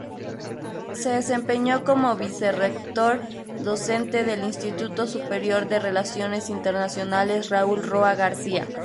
Se desempeñó como vicerrector docente del Instituto Superior de Relaciones Internacionales Raúl Roa García.